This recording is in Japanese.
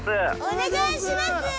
お願いします！